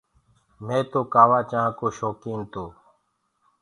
مي تو ڪآوآ چآنه ڪو شوڪين تو